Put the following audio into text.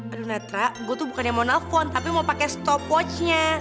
aduh natra gue tuh bukan yang mau nelfon tapi mau pake stopwatchnya